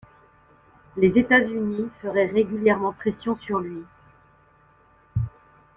Les États-Unis feraient régulièrement pression sur lui.